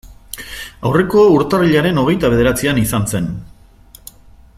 Aurreko urtarrilaren hogeita bederatzian izan zen.